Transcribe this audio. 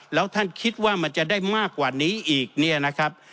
แล้วท่านคิดว่ามันจะได้มากกว่านี้อีกเนี่ยนะครับ